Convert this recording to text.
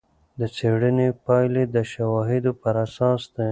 د څېړنې پایلې د شواهدو پر اساس دي.